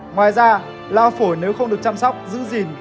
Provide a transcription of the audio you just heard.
ngoài ra lao phổi nếu không được chăm sóc giữ gìn